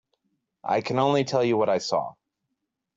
I can only tell you what I saw.